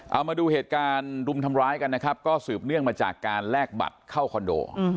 เอามาดูเหตุการณ์รุมทำร้ายกันนะครับก็สืบเนื่องมาจากการแลกบัตรเข้าคอนโด